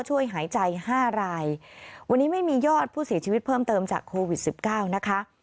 วันนี้ไม่มียอดผู้เสียชีวิตเพิ่มเติมจากโควิด๑๙นะคะ